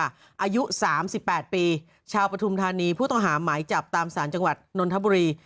อายุ๓๘ปีชาวปฐุมธานีผู้ต้องหาหมายจับตามสารจังหวัดนนทบุรี